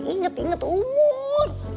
ingat ingat umur